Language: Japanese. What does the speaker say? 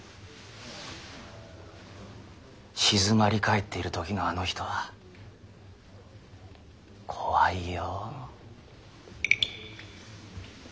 静まり返っている時のあの人は怖いよ。